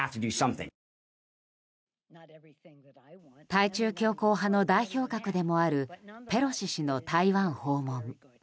対中強硬派の代表格でもあるペロシ氏の台湾訪問。